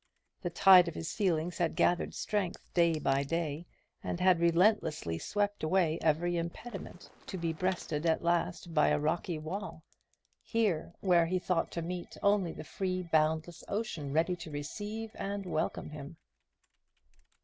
The tide of his feelings had gathered strength day by day, and had relentlessly swept away every impediment, to be breasted at last by a rocky wall; here, where he thought to meet only the free boundless ocean, ready to receive and welcome him.